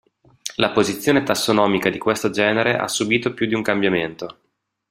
La posizione tassonomica di questo genere ha subito più di un cambiamento.